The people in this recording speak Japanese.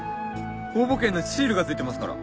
応募券のシールが付いてますから。